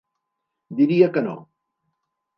Diria que no.